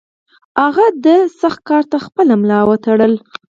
هغه دې سخت کار ته خپله ملا وتړله.